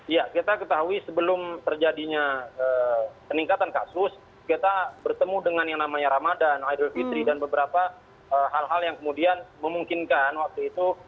ya kita ketahui sebelum terjadinya peningkatan kasus kita bertemu dengan yang namanya ramadan idul fitri dan beberapa hal hal yang kemudian memungkinkan waktu itu